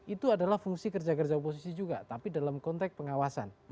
itu adalah fungsi kerja kerja oposisi juga tapi dalam konteks pengawasan